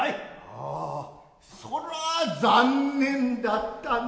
ああそら残念だったな。